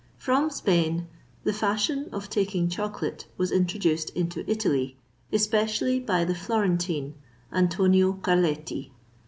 From Spain the fashion of taking chocolate was introduced into Italy, especially by the Florentine, Antonio Carletti.